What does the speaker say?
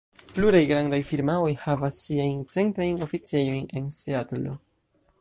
Pluraj grandaj firmaoj havas siajn centrajn oficejojn en Seatlo.